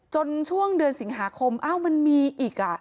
ช่วงเดือนสิงหาคมอ้าวมันมีอีก